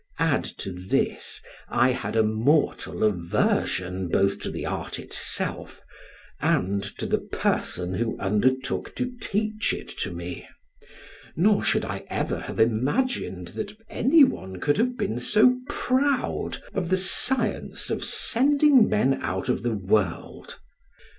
Add to this, I had a mortal aversion both to the art itself and to the person who undertook to teach it to me, nor should I ever have imagined, that anyone could have been so proud of the science of sending men out of the world.